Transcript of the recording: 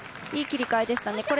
いい切り替えでしたね。